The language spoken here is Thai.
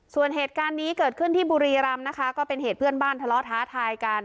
ส่วนเหตุการณ์นี้เกิดขึ้นที่บุรีรำนะคะก็เป็นเหตุเพื่อนบ้านทะเลาะท้าทายกัน